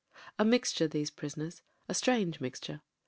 ... A mixture, those prisoners — ^a strange mixture.